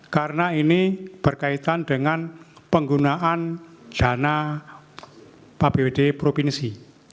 karena ini berkaitan dengan penggunaan dana pbbd provinsi